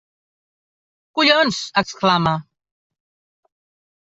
Collons! —exclama—.